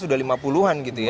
sudah lima puluhan gitu ya